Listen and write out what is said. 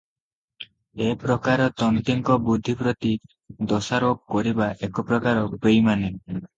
ଏ ପ୍ରକାର ତନ୍ତୀଙ୍କ ବୁଦ୍ଧି ପ୍ରତି ଦୋଷାରୋପ କରିବା ଏକପ୍ରକାର ବୈମାନି ।